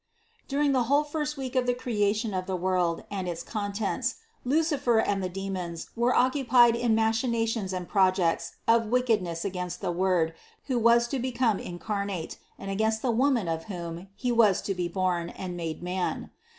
122. During the whole first week of the creation of the world and its contents Lucifer and the demons were occupied in machinations and projects of wickedness against the Word, who was to become incarnate, and against the Woman of whom He was to be born and made man.